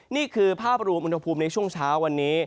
นี่คือภาพรวมอุณหภูมิในช่วงเช้าวันนี้